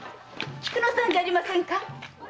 菊乃さんじゃありませんか？